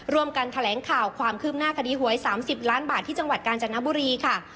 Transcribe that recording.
ร่วมกันแถลงข่าวความคืบหน้าคดีหวย๓๐ล้านบาทที่จังหวัดกาญจนบุรีค่ะ